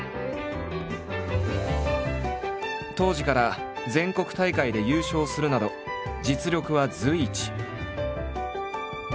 当時から全国大会で優勝するなど実力は随一。